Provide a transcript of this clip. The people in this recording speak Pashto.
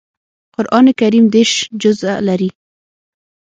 قران کریم دېرش جزء لري